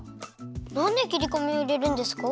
なんできりこみをいれるんですか？